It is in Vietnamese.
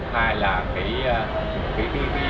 hai là cái